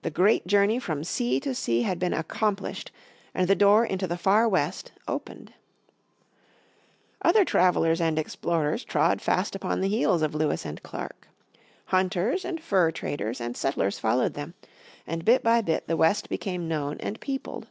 The great journey from sea to sea had been accomplished, and the door into the Far West opened. Other travelers and explorers trod fast upon the heels of Lewis and Clark. Hunters, and fur traders, and settlers followed them, and bit by bit the West became known and peopled.